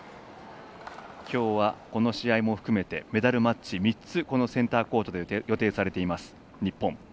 きょうは、この試合も含めてメダルマッチ３つこのセンターコートで予定されています、日本。